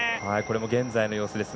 現在の様子です。